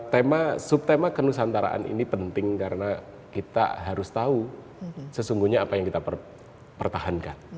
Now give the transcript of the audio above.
tema subtema kenusantaraan ini penting karena kita harus tahu sesungguhnya apa yang kita pertahankan